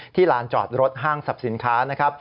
ที่ลานจอดรถห้างศัพท์สินค้า